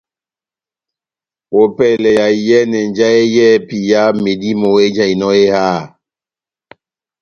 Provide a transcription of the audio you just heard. Ópɛlɛ ya iyɛ́nɛ njahɛ yɛ́hɛ́pi ya medímo ejahinɔ eháha.